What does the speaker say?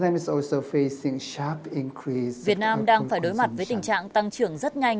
việt nam đang phải đối mặt với tình trạng tăng trưởng rất nhanh